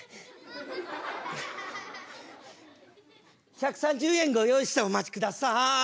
１３０円ご用意してお待ちください！